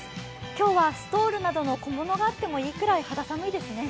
今日はストールなどの小物があってもいいくらい肌寒いですね。